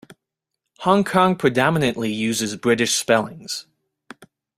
Hong Kong predominantly uses British spellings.